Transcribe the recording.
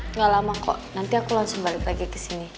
enggak lama kok nanti aku langsung balik lagi kesini